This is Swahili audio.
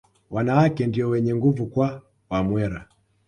Wanawake ndio wenye nguvu kwa Wamwera